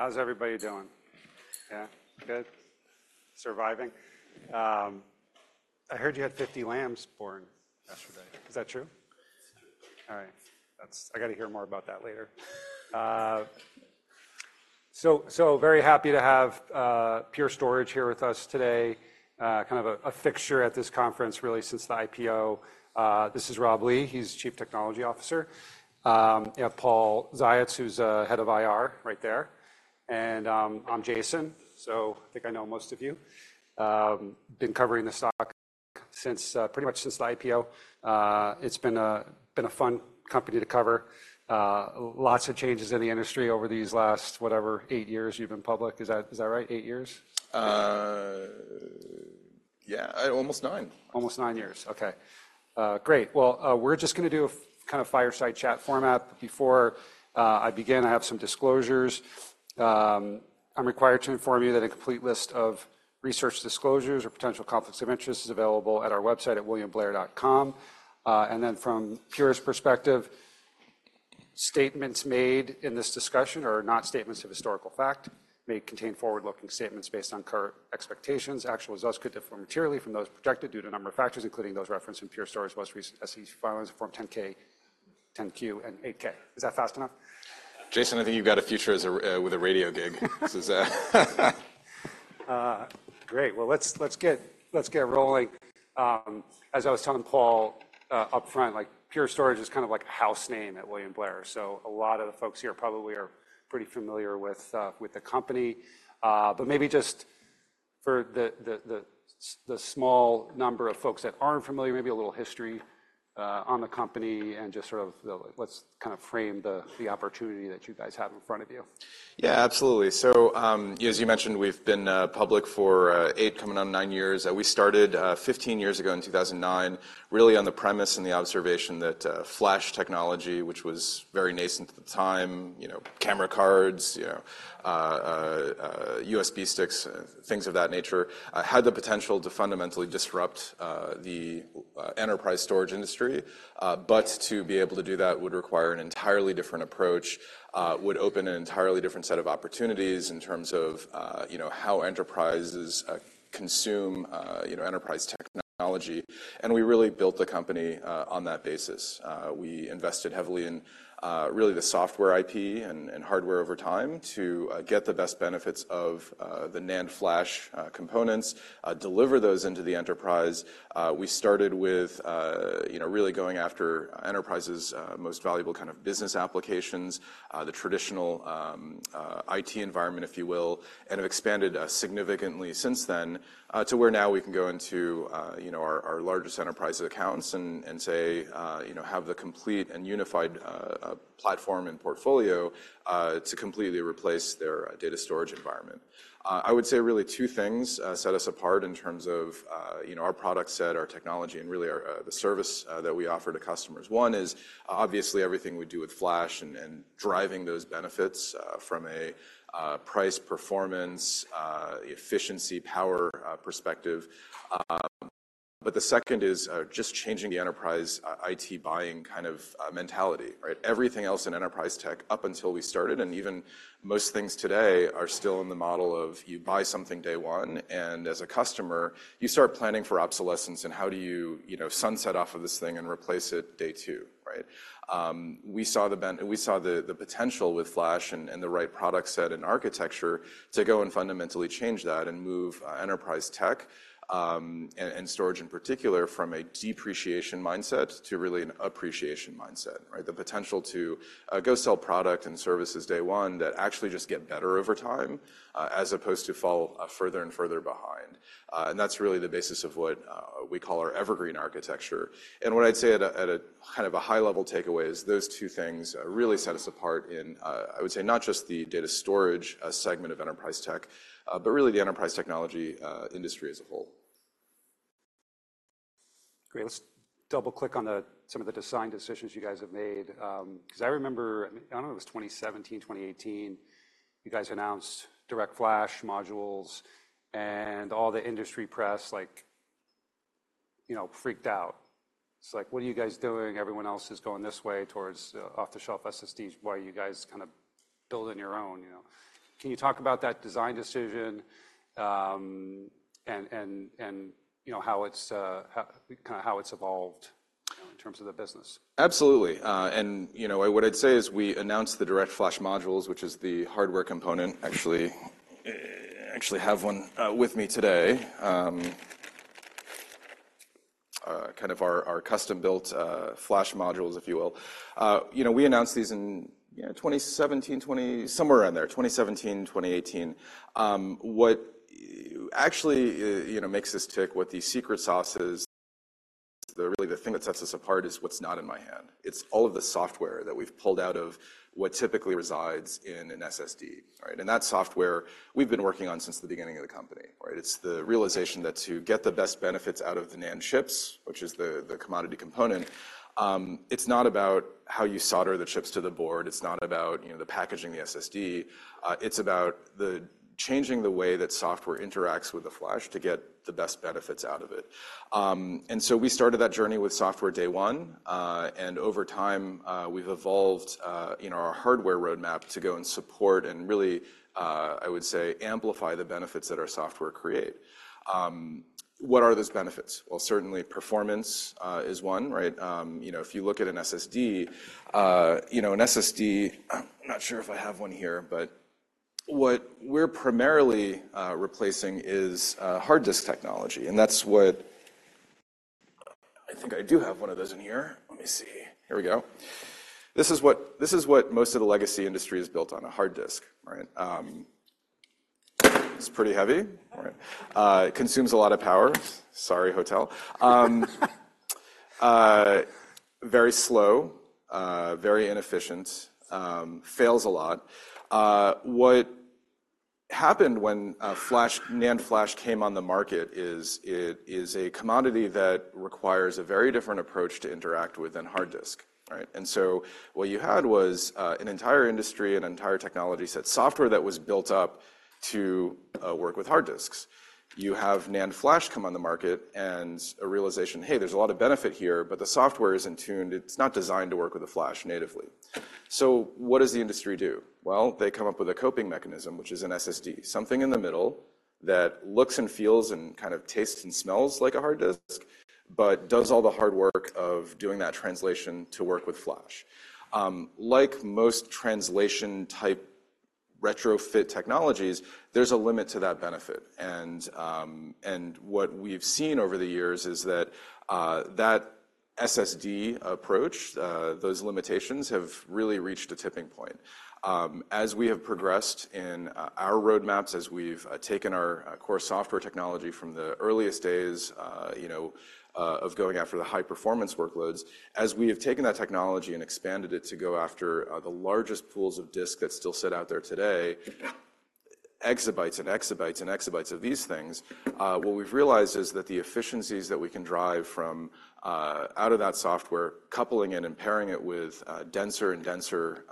How's everybody doing? Yeah? Good? Surviving? I heard you had 50 lambs born yesterday. Is that true? All right. I got to hear more about that later. So very happy to have Pure Storage here with us today. Kind of a fixture at this conference, really, since the IPO. This is Rob Lee. He's Chief Technology Officer. You have Paul Ziots, who's head of IR right there. And I'm Jason, so I think I know most of you. Been covering the stock since pretty much since the IPO. It's been a fun company to cover. Lots of changes in the industry over these last, whatever, eight years you've been public. Is that right? Eight years? Yeah. Almost 9. Almost nine years. Okay. Great. Well, we're just going to do a kind of fireside chat format. Before I begin, I have some disclosures. I'm required to inform you that a complete list of research disclosures or potential conflicts of interest is available at our website at williamblair.com. And then from Pure's perspective, statements made in this discussion, or not statements of historical fact, may contain forward-looking statements based on current expectations. Actual results could differ materially from those projected due to a number of factors, including those referenced in Pure Storage's most recent SEC filings of Form 10-K, 10-Q, and 8-K. Is that fast enough? Jason, I think you've got a future with a radio gig. Great. Well, let's get rolling. As I was telling Paul upfront, Pure Storage is kind of like a house name at William Blair. So a lot of the folks here probably are pretty familiar with the company. But maybe just for the small number of folks that aren't familiar, maybe a little history on the company and just sort of let's kind of frame the opportunity that you guys have in front of you. Yeah, absolutely. So as you mentioned, we've been public for 8, coming on 9 years. We started 15 years ago in 2009, really on the premise and the observation that flash technology, which was very nascent at the time, camera cards, USB sticks, things of that nature, had the potential to fundamentally disrupt the enterprise storage industry. But to be able to do that would require an entirely different approach, would open an entirely different set of opportunities in terms of how enterprises consume enterprise technology. We really built the company on that basis. We invested heavily in really the software IP and hardware over time to get the best benefits of the NAND flash components, deliver those into the enterprise. We started with really going after enterprises' most valuable kind of business applications, the traditional IT environment, if you will, and have expanded significantly since then to where now we can go into our largest enterprise accounts and say have the complete and unified platform and portfolio to completely replace their data storage environment. I would say really two things set us apart in terms of our product set, our technology, and really the service that we offer to customers. One is obviously everything we do with flash and driving those benefits from a price performance, efficiency, power perspective. But the second is just changing the enterprise IT buying kind of mentality. Everything else in enterprise tech up until we started, and even most things today, are still in the model of you buy something day one, and as a customer, you start planning for obsolescence and how do you sunset off of this thing and replace it day two. We saw the potential with flash and the right product set and architecture to go and fundamentally change that and move enterprise tech and storage in particular from a depreciation mindset to really an appreciation mindset. The potential to go sell product and services day one that actually just get better over time as opposed to fall further and further behind. That's really the basis of what we call our Evergreen architecture. What I'd say at a kind of a high-level takeaway is those two things really set us apart in, I would say, not just the data storage segment of enterprise tech, but really the enterprise technology industry as a whole. Great. Let's double-click on some of the design decisions you guys have made. Because I remember, I don't know if it was 2017, 2018, you guys announced DirectFlash Modules and all the industry press freaked out. It's like, what are you guys doing? Everyone else is going this way towards off-the-shelf SSDs. Why are you guys kind of building your own? Can you talk about that design decision and kind of how it's evolved in terms of the business? Absolutely. What I'd say is we announced the DirectFlash Modules, which is the hardware component. Actually, I actually have one with me today. Kind of our custom-built flash modules, if you will. We announced these in 2017, 2020, somewhere around there, 2017, 2018. What actually makes this tick, what the secret sauce is, really the thing that sets us apart is what's not in my hand. It's all of the software that we've pulled out of what typically resides in an SSD. That software we've been working on since the beginning of the company. It's the realization that to get the best benefits out of the NAND chips, which is the commodity component, it's not about how you solder the chips to the board. It's not about the packaging of the SSD. It's about changing the way that software interacts with the flash to get the best benefits out of it. And so we started that journey with software day one. And over time, we've evolved our hardware roadmap to go and support and really, I would say, amplify the benefits that our software create. What are those benefits? Well, certainly performance is one. If you look at an SSD, an SSD, I'm not sure if I have one here, but what we're primarily replacing is hard disk technology. And that's what I think I do have one of those in here. Let me see. Here we go. This is what most of the legacy industry is built on, a hard disk. It's pretty heavy. It consumes a lot of power. Sorry, hotel. Very slow, very inefficient, fails a lot. What happened when NAND flash came on the market is it is a commodity that requires a very different approach to interact with than hard disk. And so what you had was an entire industry, an entire technology set, software that was built up to work with hard disks. You have NAND flash come on the market and a realization, hey, there's a lot of benefit here, but the software isn't tuned. It's not designed to work with the flash natively. So what does the industry do? Well, they come up with a coping mechanism, which is an SSD, something in the middle that looks and feels and kind of tastes and smells like a hard disk, but does all the hard work of doing that translation to work with flash. Like most translation-type retrofit technologies, there's a limit to that benefit. What we've seen over the years is that that SSD approach, those limitations have really reached a tipping point. As we have progressed in our roadmaps, as we've taken our core software technology from the earliest days of going after the high-performance workloads, as we have taken that technology and expanded it to go after the largest pools of disks that still sit out there today, exabytes and exabytes and exabytes of these things, what we've realized is that the efficiencies that we can drive out of that software, coupling it and pairing it with denser and denser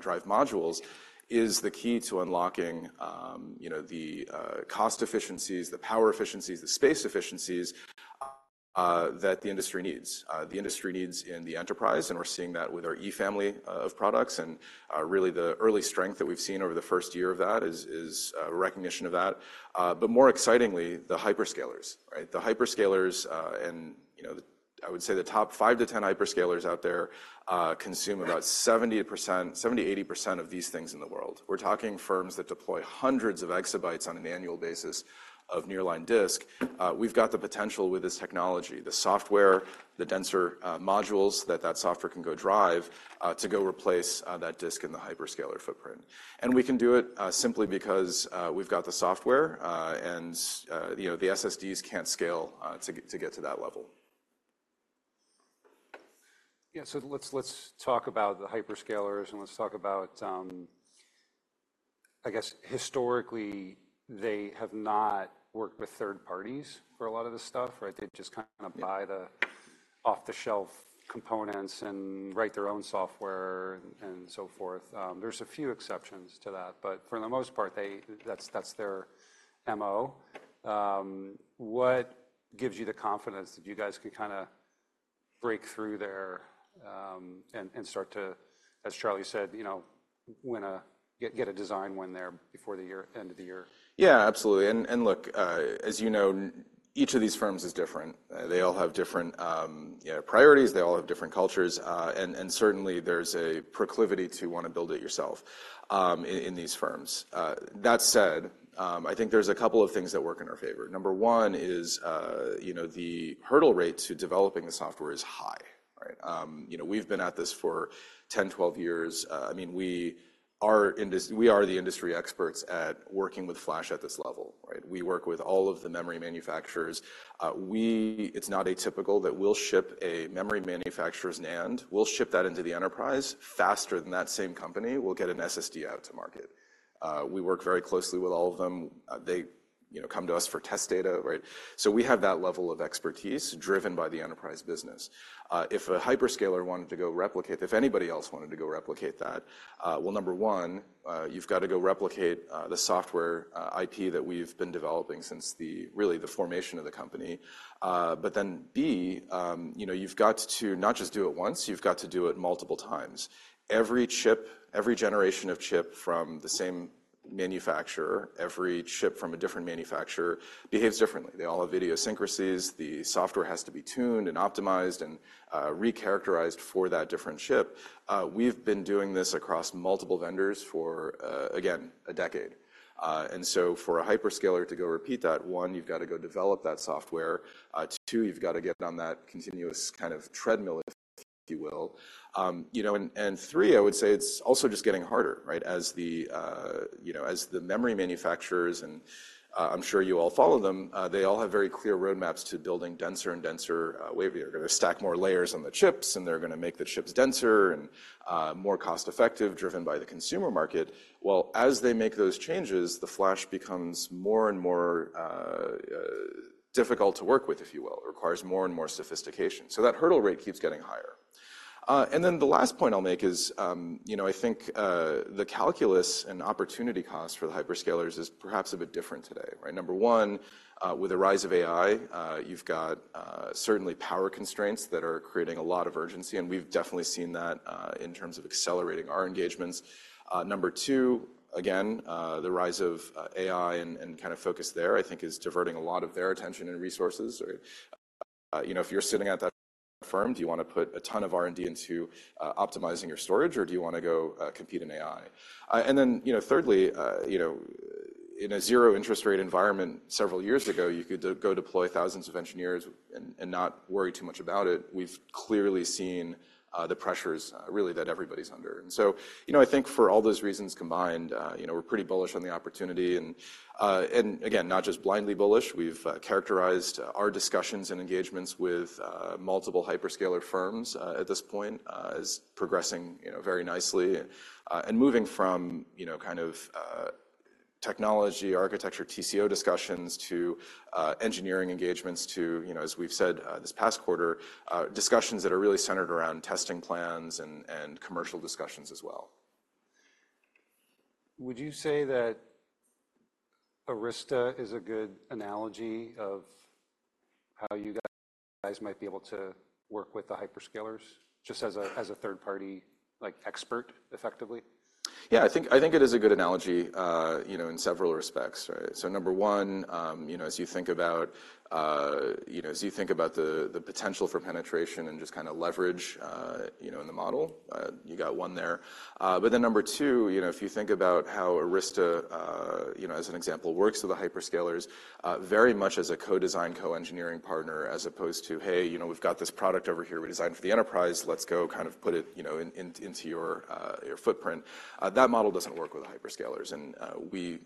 drive modules is the key to unlocking the cost efficiencies, the power efficiencies, the space efficiencies that the industry needs. The industry needs in the enterprise, and we're seeing that with our E family of products. Really the early strength that we've seen over the first year of that is recognition of that. But more excitingly, the hyperscalers. The hyperscalers, and I would say the top 5-10 hyperscalers out there consume about 70%, 70%-80% of these things in the world. We're talking firms that deploy hundreds of exabytes on an annual basis of nearline disks. We've got the potential with this technology, the software, the denser modules that that software can go drive to go replace that disk in the hyperscaler footprint. And we can do it simply because we've got the software and the SSDs can't scale to get to that level. Yeah. So let's talk about the hyperscalers and let's talk about, I guess, historically, they have not worked with third parties for a lot of this stuff. They just kind of buy the off-the-shelf components and write their own software and so forth. There's a few exceptions to that, but for the most part, that's their MO. What gives you the confidence that you guys can kind of break through there and start to, as Charlie said, get a design win there before the end of the year? Yeah, absolutely. And look, as you know, each of these firms is different. They all have different priorities. They all have different cultures. And certainly, there's a proclivity to want to build it yourself in these firms. That said, I think there's a couple of things that work in our favor. Number one is the hurdle rate to developing the software is high. We've been at this for 10, 12 years. I mean, we are the industry experts at working with flash at this level. We work with all of the memory manufacturers. It's not atypical that we'll ship a memory manufacturer's NAND. We'll ship that into the enterprise faster than that same company will get an SSD out to market. We work very closely with all of them. They come to us for test data. So we have that level of expertise driven by the enterprise business. If a hyperscaler wanted to go replicate, if anybody else wanted to go replicate that, well, number one, you've got to go replicate the software IP that we've been developing since really the formation of the company. But then B, you've got to not just do it once, you've got to do it multiple times. Every chip, every generation of chip from the same manufacturer, every chip from a different manufacturer behaves differently. They all have idiosyncrasies. The software has to be tuned and optimized and re-characterized for that different chip. We've been doing this across multiple vendors for, again, a decade. And so for a hyperscaler to go repeat that, 1, you've got to go develop that software. 2, you've got to get on that continuous kind of treadmill, if you will. And 3, I would say it's also just getting harder. As the memory manufacturers, and I'm sure you all follow them, they all have very clear roadmaps to building denser and denser. They're going to stack more layers on the chips and they're going to make the chips denser and more cost-effective driven by the consumer market. Well, as they make those changes, the flash becomes more and more difficult to work with, if you will. It requires more and more sophistication. So that hurdle rate keeps getting higher. And then the last point I'll make is I think the calculus and opportunity cost for the hyperscalers is perhaps a bit different today. Number one, with the rise of AI, you've got certainly power constraints that are creating a lot of urgency, and we've definitely seen that in terms of accelerating our engagements. Number two, again, the rise of AI and kind of focus there, I think, is diverting a lot of their attention and resources. If you're sitting at that firm, do you want to put a ton of R&D into optimizing your storage, or do you want to go compete in AI? And then thirdly, in a zero-interest rate environment several years ago, you could go deploy thousands of engineers and not worry too much about it. We've clearly seen the pressures really that everybody's under. And so I think for all those reasons combined, we're pretty bullish on the opportunity. And again, not just blindly bullish, we've characterized our discussions and engagements with multiple hyperscaler firms at this point as progressing very nicely. Moving from kind of technology, architecture, TCO discussions to engineering engagements to, as we've said this past quarter, discussions that are really centered around testing plans and commercial discussions as well. Would you say that Arista is a good analogy of how you guys might be able to work with the hyperscalers just as a third-party expert effectively? Yeah, I think it is a good analogy in several respects. So number one, as you think about, as you think about the potential for penetration and just kind of leverage in the model, you got one there. But then number two, if you think about how Arista, as an example, works with the hyperscalers, very much as a co-design, co-engineering partner as opposed to, hey, we've got this product over here we designed for the enterprise, let's go kind of put it into your footprint. That model doesn't work with the hyperscalers. And we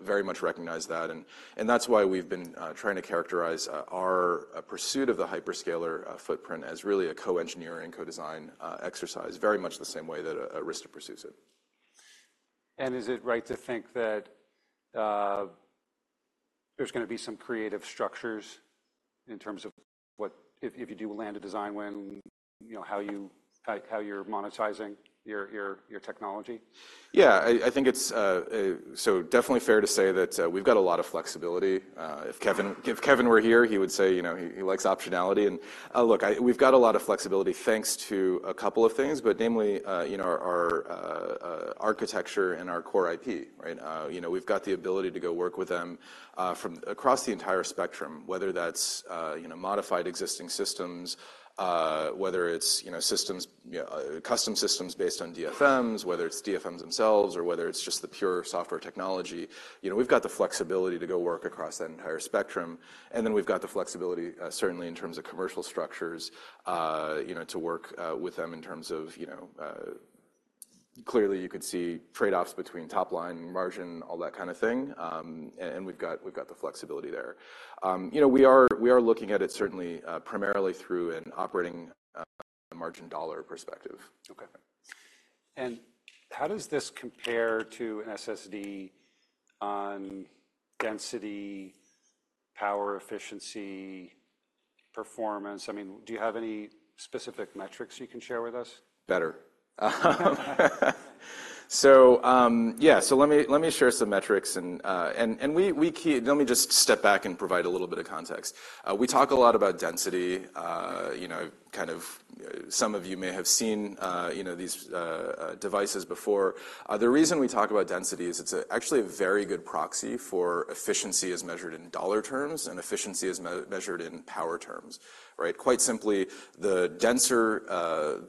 very much recognize that. And that's why we've been trying to characterize our pursuit of the hyperscaler footprint as really a co-engineering co-design exercise, very much the same way that Arista pursues it. Is it right to think that there's going to be some creative structures in terms of if you do land a design win, how you're monetizing your technology? Yeah, I think it's so definitely fair to say that we've got a lot of flexibility. If Kevan were here, he would say he likes optionality. And look, we've got a lot of flexibility thanks to a couple of things, but namely our architecture and our core IP. We've got the ability to go work with them across the entire spectrum, whether that's modified existing systems, whether it's custom systems based on DFMs, whether it's DFMs themselves, or whether it's just the pure software technology. We've got the flexibility to go work across that entire spectrum. And then we've got the flexibility certainly in terms of commercial structures to work with them in terms of clearly you could see trade-offs between top line and margin, all that kind of thing. And we've got the flexibility there. We are looking at it certainly primarily through an operating margin dollar perspective. Okay. And how does this compare to an SSD on density, power efficiency, performance? I mean, do you have any specific metrics you can share with us? Better. So yeah, so let me share some metrics. Let me just step back and provide a little bit of context. We talk a lot about density. Kind of some of you may have seen these devices before. The reason we talk about density is it's actually a very good proxy for efficiency as measured in dollar terms and efficiency as measured in power terms. Quite simply, the denser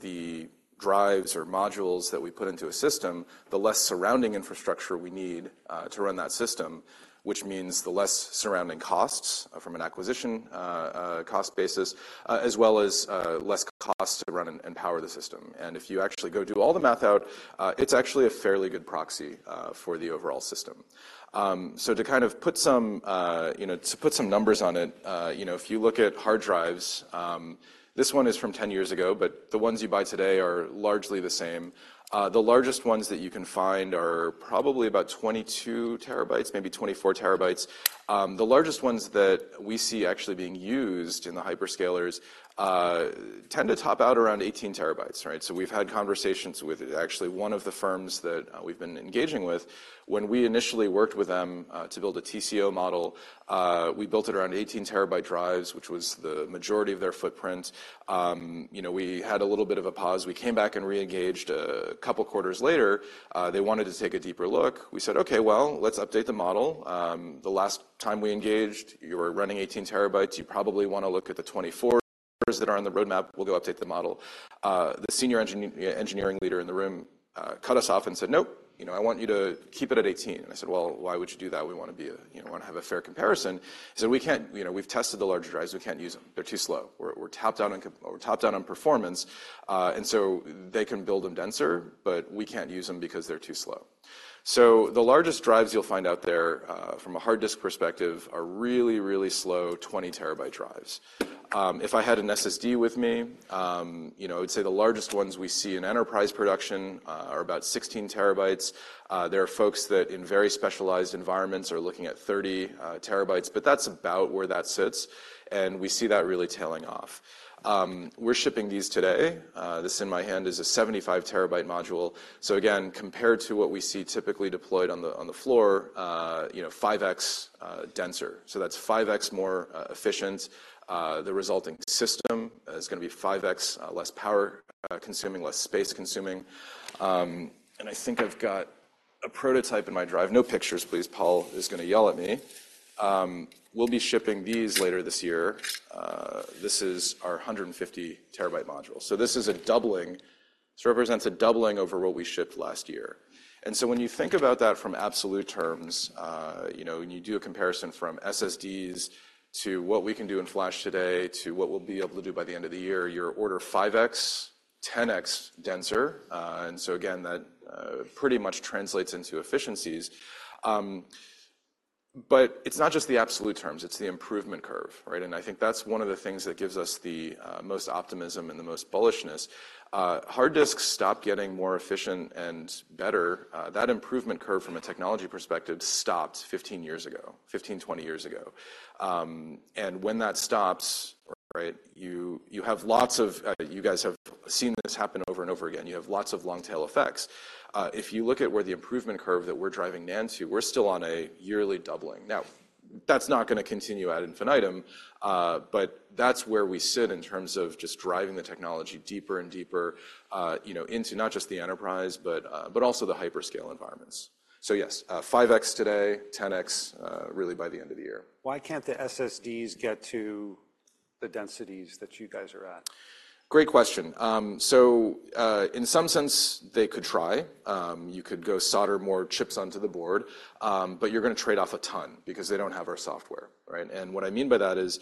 the drives or modules that we put into a system, the less surrounding infrastructure we need to run that system, which means the less surrounding costs from an acquisition cost basis, as well as less cost to run and power the system. If you actually go do all the math out, it's actually a fairly good proxy for the overall system. So to kind of put some numbers on it, if you look at hard drives, this one is from 10 years ago, but the ones you buy today are largely the same. The largest ones that you can find are probably about 22 TB, maybe 24 TB. The largest ones that we see actually being used in the hyperscalers tend to top out around 18 TB. So we've had conversations with actually one of the firms that we've been engaging with. When we initially worked with them to build a TCO model, we built it around 18 TB drives, which was the majority of their footprint. We had a little bit of a pause. We came back and re-engaged a couple of quarters later. They wanted to take a deeper look. We said, okay, well, let's update the model. The last time we engaged, you were running 18 TB. You probably want to look at the 24 that are on the roadmap. We'll go update the model. The senior engineering leader in the room cut us off and said, nope, I want you to keep it at 18. And I said, well, why would you do that? We want to have a fair comparison. He said, we've tested the larger drives. We can't use them. They're too slow. We're topped out on performance. And so they can build them denser, but we can't use them because they're too slow. So the largest drives you'll find out there from a hard disk perspective are really, really slow 20 TB drives. If I had an SSD with me, I would say the largest ones we see in enterprise production are about 16 TB. There are folks that in very specialized environments are looking at 30 TB, but that's about where that sits. And we see that really tailing off. We're shipping these today. This in my hand is a 75-TB module. So again, compared to what we see typically deployed on the floor, 5x denser. So that's 5x more efficient. The resulting system is going to be 5x less power consuming, less space consuming. And I think I've got a prototype in my drive. No pictures, please. Paul is going to yell at me. We'll be shipping these later this year. This is our 150-TB module. So this is a doubling. This represents a doubling over what we shipped last year. And so when you think about that from absolute terms, when you do a comparison from SSDs to what we can do in flash today to what we'll be able to do by the end of the year, you're order 5x, 10x denser. And so again, that pretty much translates into efficiencies. But it's not just the absolute terms. It's the improvement curve. And I think that's one of the things that gives us the most optimism and the most bullishness. Hard disks stop getting more efficient and better. That improvement curve from a technology perspective stopped 15 years ago, 15, 20 years ago. And when that stops, you have lots of, you guys have seen this happen over and over again. You have lots of long tail effects. If you look at where the improvement curve that we're driving NAND to, we're still on a yearly doubling. Now, that's not going to continue ad infinitum, but that's where we sit in terms of just driving the technology deeper and deeper into not just the enterprise, but also the hyperscale environments. So yes, 5x today, 10x really by the end of the year. Why can't the SSDs get to the densities that you guys are at? Great question. So in some sense, they could try. You could go solder more chips onto the board, but you're going to trade off a ton because they don't have our software. And what I mean by that is,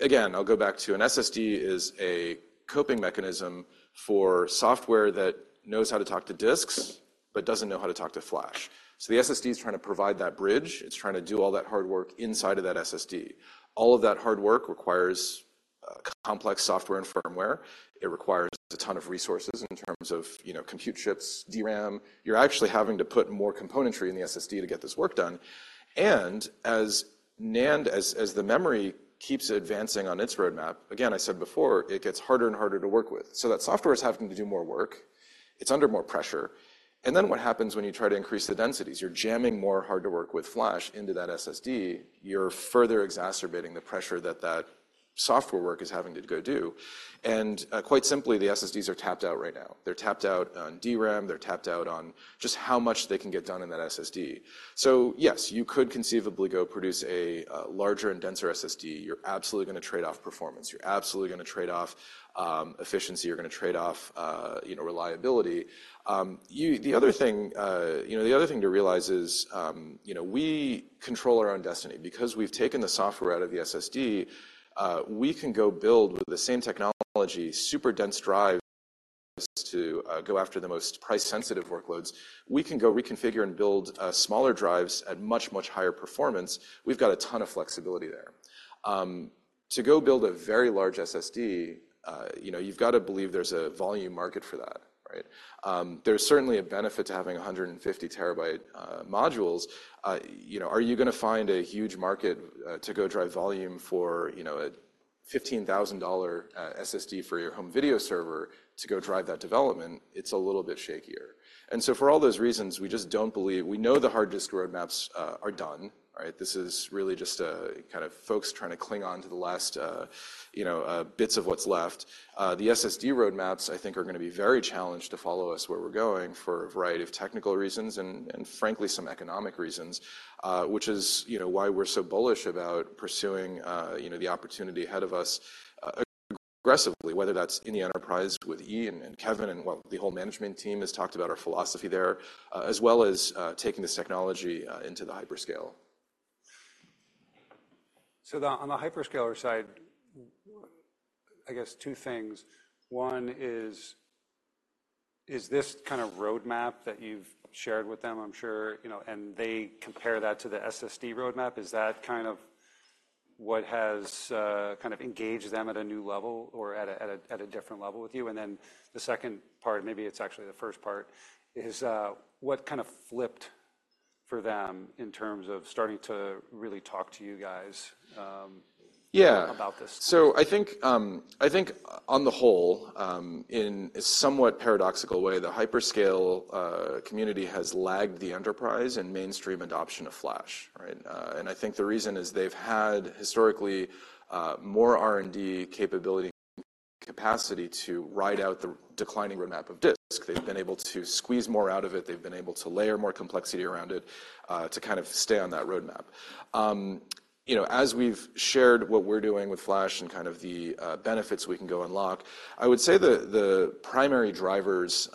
again, I'll go back to an SSD is a coping mechanism for software that knows how to talk to disks, but doesn't know how to talk to flash. So the SSD is trying to provide that bridge. It's trying to do all that hard work inside of that SSD. All of that hard work requires complex software and firmware. It requires a ton of resources in terms of compute chips, DRAM. You're actually having to put more componentry in the SSD to get this work done. And as NAND, as the memory keeps advancing on its roadmap, again, I said before, it gets harder and harder to work with. So that software is having to do more work. It's under more pressure. And then what happens when you try to increase the densities? You're jamming more hard to work with flash into that SSD. You're further exacerbating the pressure that that software work is having to go do. And quite simply, the SSDs are tapped out right now. They're tapped out on DRAM. They're tapped out on just how much they can get done in that SSD. So yes, you could conceivably go produce a larger and denser SSD. You're absolutely going to trade off performance. You're absolutely going to trade off efficiency. You're going to trade off reliability. The other thing to realize is we control our own destiny. Because we've taken the software out of the SSD, we can go build with the same technology, super dense drives to go after the most price-sensitive workloads. We can go reconfigure and build smaller drives at much, much higher performance. We've got a ton of flexibility there. To go build a very large SSD, you've got to believe there's a volume market for that. There's certainly a benefit to having 150 TB modules. Are you going to find a huge market to go drive volume for a $15,000 SSD for your home video server to go drive that development? It's a little bit shakier. And so for all those reasons, we just don't believe. We know the hard disk roadmaps are done. This is really just kind of folks trying to cling on to the last bits of what's left. The SSD roadmaps, I think, are going to be very challenged to follow us where we're going for a variety of technical reasons and frankly, some economic reasons, which is why we're so bullish about pursuing the opportunity ahead of us aggressively, whether that's in the enterprise with Ian and Kevan and what the whole management team has talked about our philosophy there, as well as taking this technology into the hyperscale. So on the hyperscaler side, I guess two things. One is, is this kind of roadmap that you've shared with them, I'm sure, and they compare that to the SSD roadmap, is that kind of what has kind of engaged them at a new level or at a different level with you? And then the second part, maybe it's actually the first part, is what kind of flipped for them in terms of starting to really talk to you guys about this? Yeah. So I think on the whole, in a somewhat paradoxical way, the hyperscaler community has lagged the enterprise in mainstream adoption of flash. And I think the reason is they've had historically more R&D capability and capacity to ride out the declining roadmap of disks. They've been able to squeeze more out of it. They've been able to layer more complexity around it to kind of stay on that roadmap. As we've shared what we're doing with flash and kind of the benefits we can go unlock, I would say the primary drivers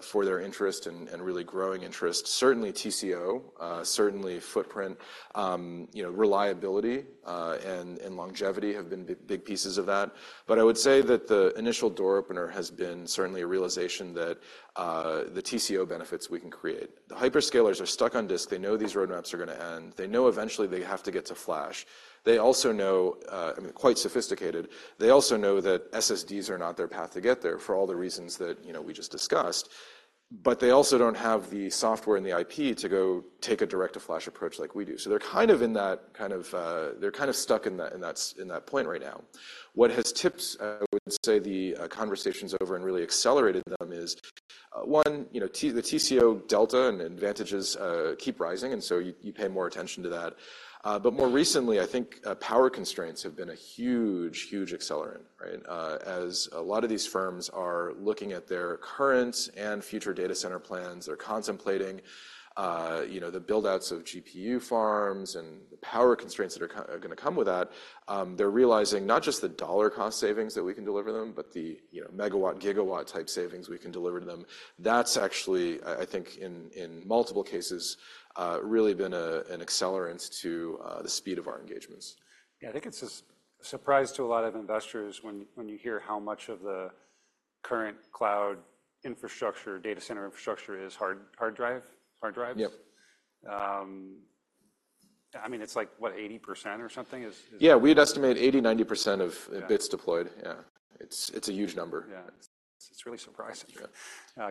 for their interest and really growing interest, certainly TCO, certainly footprint, reliability, and longevity have been big pieces of that. But I would say that the initial door opener has been certainly a realization that the TCO benefits we can create. The hyperscalers are stuck on disks. They know these roadmaps are going to end. They know eventually they have to get to flash. They also know, quite sophisticated, they also know that SSDs are not their path to get there for all the reasons that we just discussed. But they also don't have the software and the IP to go take a direct-to-flash approach like we do. So they're kind of in that kind of, they're kind of stuck in that point right now. What has tipped, I would say, the conversations over and really accelerated them is, one, the TCO delta and advantages keep rising. And so you pay more attention to that. But more recently, I think power constraints have been a huge, huge accelerant. As a lot of these firms are looking at their current and future data center plans, they're contemplating the buildouts of GPU farms and the power constraints that are going to come with that. They're realizing not just the dollar cost savings that we can deliver them, but the megawatt, gigawatt type savings we can deliver to them. That's actually, I think in multiple cases, really been an accelerant to the speed of our engagements. Yeah, I think it's a surprise to a lot of investors when you hear how much of the current cloud infrastructure, data center infrastructure is hard drives. Yep. I mean, it's like what, 80% or something? Yeah, we'd estimate 80%-90% of bits deployed. Yeah. It's a huge number. Yeah. It's really surprising,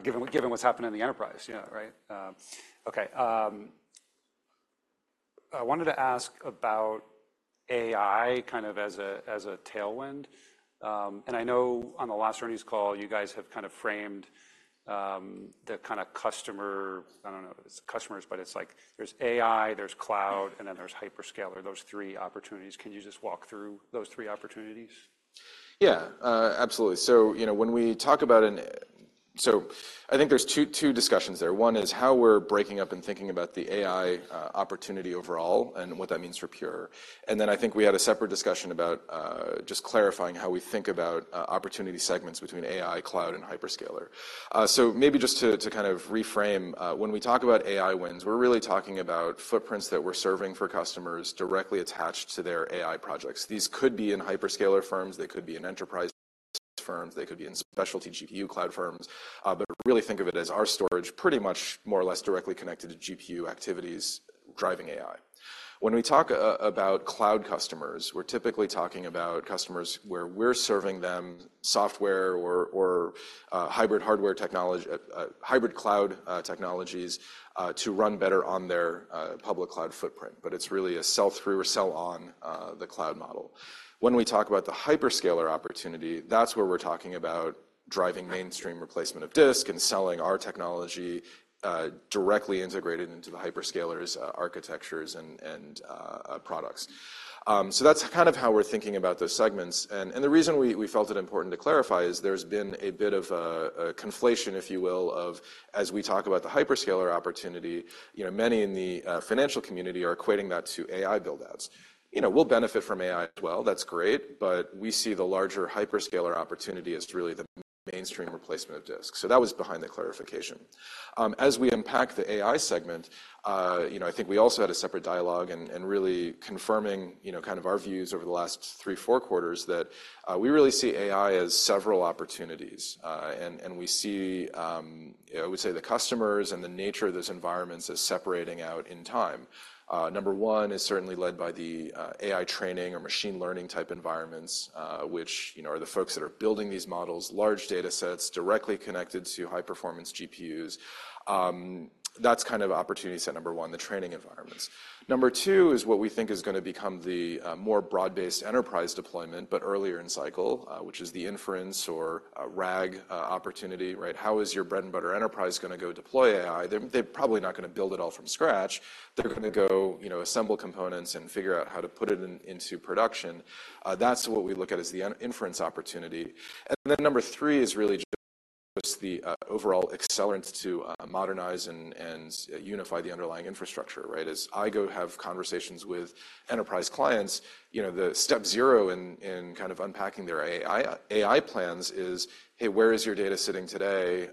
given what's happened in the enterprise. Yeah, right. Okay. I wanted to ask about AI kind of as a tailwind. And I know on the last earnings call, you guys have kind of framed the kind of customer, I don't know, it's customers, but it's like there's AI, there's cloud, and then there's hyperscaler, those three opportunities. Can you just walk through those three opportunities? Yeah, absolutely. So when we talk about, so I think there's two discussions there. One is how we're breaking up and thinking about the AI opportunity overall and what that means for Pure. And then I think we had a separate discussion about just clarifying how we think about opportunity segments between AI, cloud, and hyperscaler. So maybe just to kind of reframe, when we talk about AI wins, we're really talking about footprints that we're serving for customers directly attached to their AI projects. These could be in hyperscaler firms. They could be in enterprise firms. They could be in specialty GPU cloud firms. But really think of it as our storage pretty much more or less directly connected to GPU activities driving AI. When we talk about cloud customers, we're typically talking about customers where we're serving them software or hybrid cloud technologies to run better on their public cloud footprint. But it's really a sell through or sell on the cloud model. When we talk about the hyperscaler opportunity, that's where we're talking about driving mainstream replacement of disk and selling our technology directly integrated into the hyperscalers' architectures and products. So that's kind of how we're thinking about those segments. And the reason we felt it important to clarify is there's been a bit of a conflation, if you will, of as we talk about the hyperscaler opportunity, many in the financial community are equating that to AI buildouts. We'll benefit from AI as well. That's great. But we see the larger hyperscaler opportunity as really the mainstream replacement of disk. So that was behind the clarification. As we unpack the AI segment, I think we also had a separate dialogue and really confirming kind of our views over the last 3, 4 quarters that we really see AI as several opportunities. We see, I would say, the customers and the nature of those environments as separating out in time. Number 1 is certainly led by the AI training or machine learning type environments, which are the folks that are building these models, large data sets directly connected to high performance GPUs. That's kind of opportunity set number 1, the training environments. Number 2 is what we think is going to become the more broad-based enterprise deployment, but earlier in cycle, which is the inference or RAG opportunity. How is your bread and butter enterprise going to go deploy AI? They're probably not going to build it all from scratch. They're going to go assemble components and figure out how to put it into production. That's what we look at as the inference opportunity. And then number 3 is really just the overall accelerant to modernize and unify the underlying infrastructure. As I go have conversations with enterprise clients, the step 0 in kind of unpacking their AI plans is, hey, where is your data sitting today?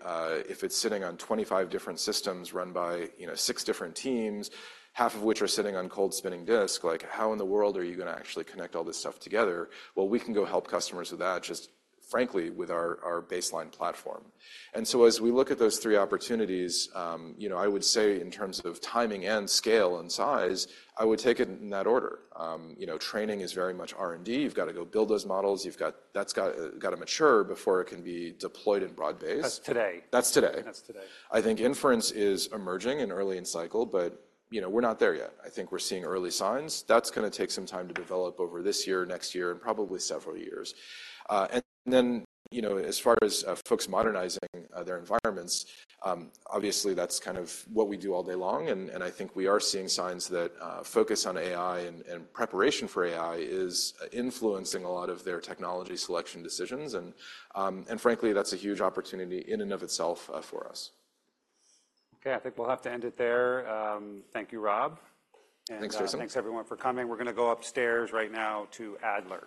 If it's sitting on 25 different systems run by 6 different teams, half of which are sitting on cold spinning disk, like how in the world are you going to actually connect all this stuff together? Well, we can go help customers with that, just frankly, with our baseline platform. And so as we look at those 3 opportunities, I would say in terms of timing and scale and size, I would take it in that order. Training is very much R&D. You've got to go build those models. That's got to mature before it can be deployed in broad base. That's today. That's today. I think inference is emerging and early in cycle, but we're not there yet. I think we're seeing early signs. That's going to take some time to develop over this year, next year, and probably several years. And then as far as folks modernizing their environments, obviously that's kind of what we do all day long. And I think we are seeing signs that focus on AI and preparation for AI is influencing a lot of their technology selection decisions. And frankly, that's a huge opportunity in and of itself for us. Okay, I think we'll have to end it there. Thank you, Rob. Thanks, Jason. Thanks everyone for coming. We're going to go upstairs right now to Adler.